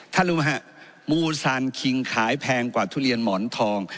รู้ไหมฮะมูซานคิงขายแพงกว่าทุเรียนหมอนทอง